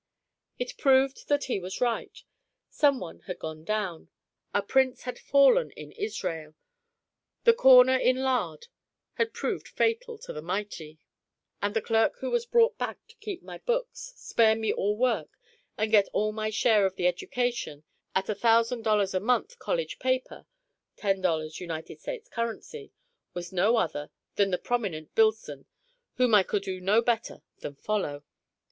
It proved that he was right: some one had gone down; a prince had fallen in Israel; the corner in lard had proved fatal to the mighty; and the clerk who was brought back to keep my books, spare me all work, and get all my share of the education, at a thousand dollars a month, college paper (ten dollars, United States currency) was no other than the prominent Billson whom I could do no better than follow.